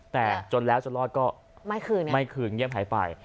แต่จนแล้วจะรอดก็ไม่คืนไม่คืนเงียบหายไป